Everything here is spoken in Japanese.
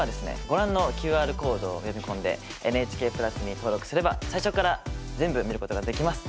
ご覧のＱＲコードを読み込んで「ＮＨＫプラス」に登録すれば最初から全部見ることができます。